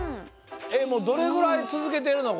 もうどれぐらいつづけてるの？